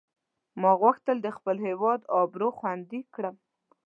ما غوښتل د خپل هیواد آبرو خوندي کړم.